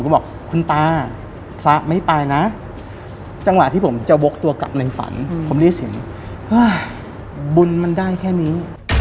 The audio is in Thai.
บุญมันได้แค่นี้